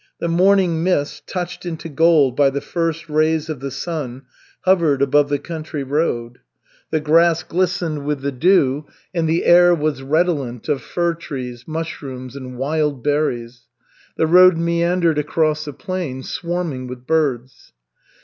The morning mist, touched into gold by the first rays of the sun, hovered above the country road. The grass glistened with the dew, and the air was redolent of fir trees, mushrooms, and wild berries. The road meandered across a plain swarming with birds.